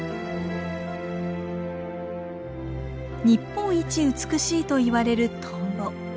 日本一美しいといわれるトンボ。